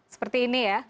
seperti ini ya